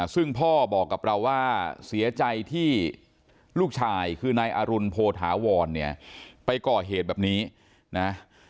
ซึ่งพ่อบอกกับเราว่าเสียใจที่ลูกชายคือนายอรุณโพธาวรเนี่ยไปก่อเหตุแบบนี้นะ